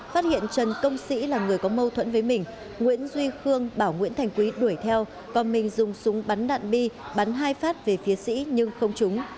phát hiện trần công sĩ là người có mâu thuẫn với mình nguyễn duy khương bảo nguyễn thành quý đuổi theo còn mình dùng súng bắn đạn bi bắn hai phát về phía sĩ nhưng không trúng